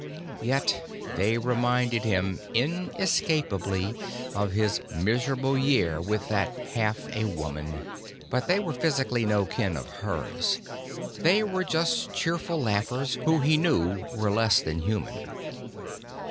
Yet they reminded him inescapably of his miserable year with that half a woman, but they were physically no kin of hers. They were just cheerful laughers who he knew were less than human.